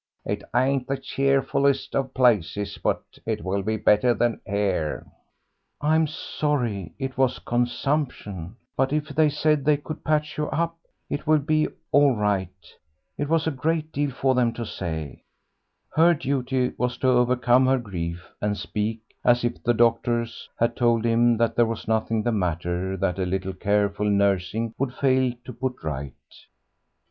It ain't the cheerfulest of places, but it will be better than here." "I'm sorry it was consumption. But if they said they could patch you up, it will be all right. It was a great deal for them to say." Her duty was to overcome her grief and speak as if the doctors had told him that there was nothing the matter that a little careful nursing would fail to put right.